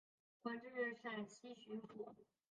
官至陕西巡抚。